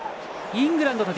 イングランドも。